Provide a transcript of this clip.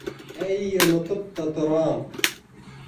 Әй, онотоп та торам!